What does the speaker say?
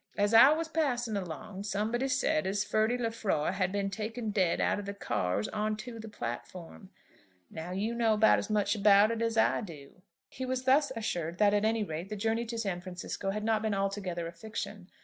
As I was passing along somebody said as Ferdy Lefroy had been taken dead out of the cars on to the platform. Now you know as much about it as I do." He was thus assured that at any rate the journey to San Francisco had not been altogether a fiction.